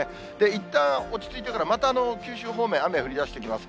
いったん、落ち着いてから、また九州方面、雨が降りだしてきます。